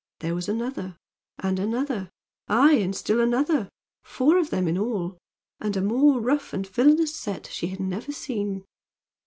There was another, and another; aye, and still another, four of them in all; and a more rough and villainous set she had never seen.